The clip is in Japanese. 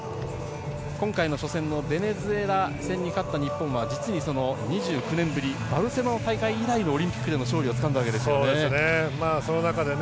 今回の初戦のベネズエラ戦に勝った日本は実に２９年ぶりバルセロナ大会以来のオリンピックでの勝利をつかんだわけですよね。